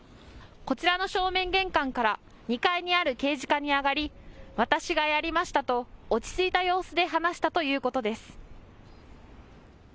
こちらの正面玄関から２階にある刑事課に上がり私がやりましたと落ち着いた様子で話したということです。